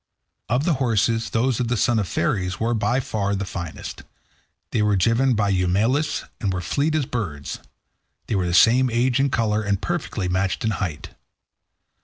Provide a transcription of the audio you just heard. Of the horses, those of the son of Pheres were by far the finest. They were driven by Eumelus, and were as fleet as birds. They were of the same age and colour, and perfectly matched in height.